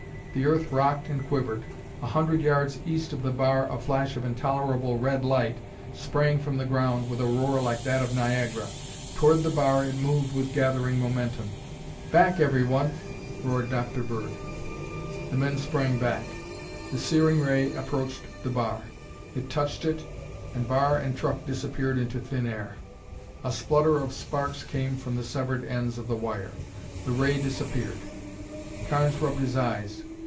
The earth rocked and quivered. A hundred yards east of the bar a flash of intolerable red light sprang from the ground with a roar like that of Niagara. Toward the bar it moved with gathering momentum. "Back, everyone!" roared Dr. Bird. The men sprang back. The searing ray approached the bar. It touched it, and bar and truck disappeared into thin air. A splutter of sparks came from the severed ends of the wire. The ray disappeared. Carnes rubbed his eyes.